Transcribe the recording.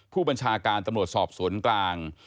ผู้บัญชาการตำรวจสอบสวนกลาง